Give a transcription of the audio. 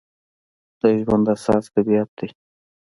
د ژوند اساس طبیعت دی.